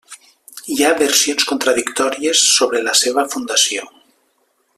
Hi ha versions contradictòries sobre la seva fundació.